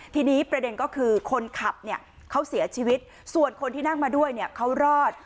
ทีนี้ประเด็นก็คือคนขับเนี่ยเขาเสียชีวิตส่วนคนที่นั่งมาด้วยเนี่ยเขารอด